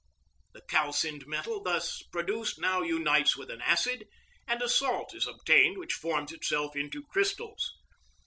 The calcined metal thus produced now unites with an acid, and a salt is obtained which forms itself into crystals.